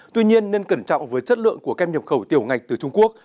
tuy nhiên nên cẩn trọng với chất lượng của kem nhập khẩu tiểu ngạch từ trung quốc